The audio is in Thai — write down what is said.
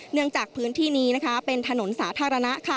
เนื่องจากพื้นที่นี้เป็นถนนสาธารณะค่ะ